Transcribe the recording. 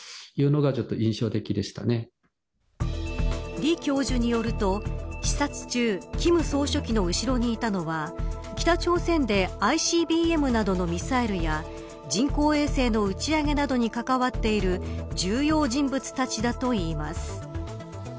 李教授によると、視察中金総書記の後ろにいたのは北朝鮮で、ＩＣＢＭなどのミサイルや人工衛星の打ち上げなどに関わっている重要人物たちだと言います。